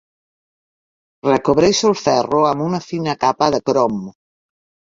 Recobreixo el ferro amb una fina capa de crom.